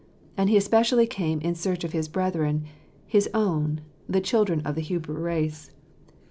And He especially came in search of his brethren, his own, the children of the Hebrew race.